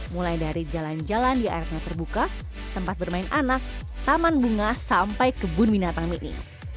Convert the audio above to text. mulai dari jalan jalan di airnya terbuka tempat bermain anak taman bunga sampai kebun binatang mini